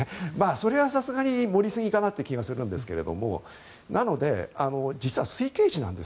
それはさすがに盛りすぎかなという気がしますがなので、実は推計値なんです。